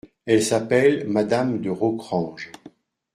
Elle s'appelle Madame de Rocrange.